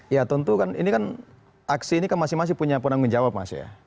ya tentu kan ini kan aksi ini kan masing masing punya penanggung jawab mas ya